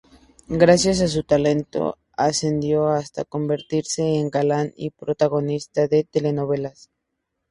Gracias a su talento ascendió hasta convertirse en galán y protagonista de telenovelas.